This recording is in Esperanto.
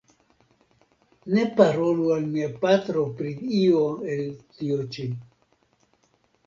Ne parolu al mia patro pri io el tio ĉi.